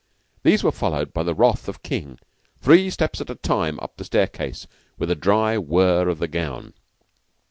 These were followed by the wrath of King three steps at a time, up the staircase, with a dry whir of the gown.